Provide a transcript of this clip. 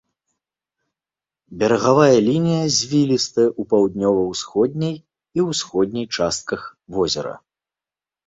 Берагавая лінія звілістая ў паўднёва-ўсходняй і ўсходняй частках возера.